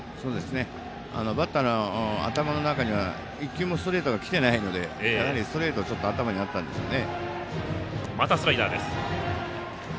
バッターの頭の中には１球もストレートがきてないのでストレートがちょっと頭にあったんでしょうね。